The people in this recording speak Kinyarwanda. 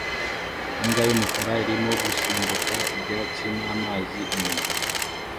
Imbwa yumukara irimo gusimbuka ibyatsi n'amazi inyuma